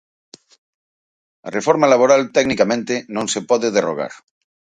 A reforma laboral tecnicamente non se pode derrogar.